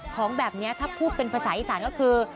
ของแบบนี้ถ้าพูดเป็นภาษาอีสานก็คือ